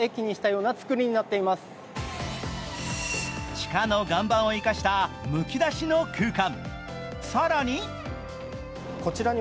地下の岩盤を生かした、むき出しの空間。